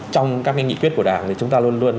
trong các nghị quyết của đảng thì chúng ta luôn luôn